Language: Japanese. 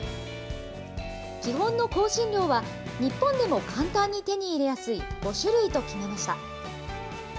基本の香辛料は、日本でも簡単に手に入れやすい５種類と決めました。